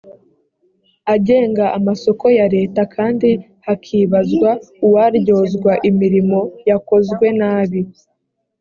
agenga amasoko ya leta kandi hakibazwa uwaryozwa imirimo yakozwe nabi.